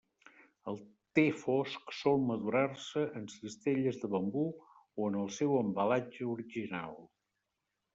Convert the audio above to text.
El te fosc sol madurar-se en cistelles de bambú o en el seu embalatge original.